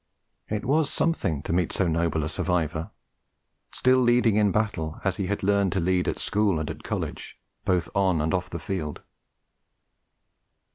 It was something to meet so noble a survivor, still leading in battle as he had learnt to lead at school and college, both on and off the field.